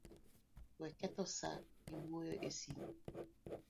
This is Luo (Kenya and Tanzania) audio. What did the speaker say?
We ketho saa gi wuoyo e sime